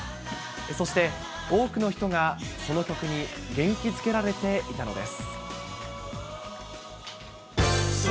そして多くの人がその曲に元気づけられていたのです。